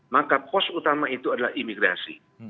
maka pos utama itu adalah imigrasi